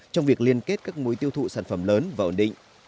trong việc liên kết các mối tiêu thụ sản phẩm lớn và ổn định